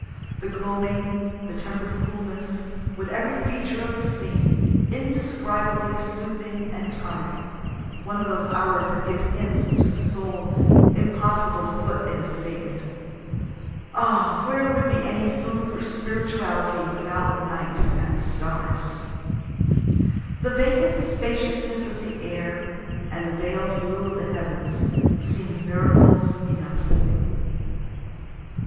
The gloaming, the temper'd coolness, with every feature of the scene, indescribably soothing and tonic one of those hours that give hints to the soul, impossible to put in a statement. (Ah, where would be any food for spirituality without night and the stars?) The vacant spaciousness of the air, and the veil'd blue of the heavens, seem'd miracles enough.